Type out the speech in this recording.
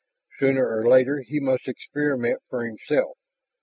Sooner or later he must experiment for himself.